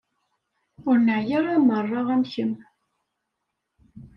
Ur neεya ara merra am kemm.